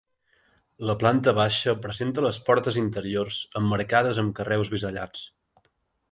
La planta baixa presenta les portes interiors emmarcades amb carreus bisellats.